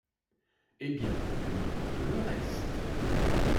Eh bien ! que m’importe le reste ?…